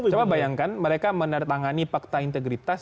cuma bayangkan mereka menandatangani pakta integritas